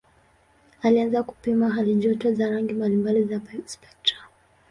Alianza kupima halijoto za rangi mbalimbali za spektra.